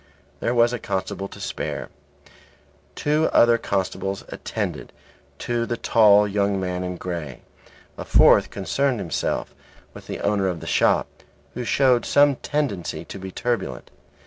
There was a constable to spare. Two other constables attended to the tall young man in grey; a fourth concerned himself with the owner of the shop, who showed some tendency to be turbulent.